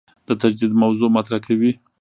د تجدید موضوع مطرح کوي.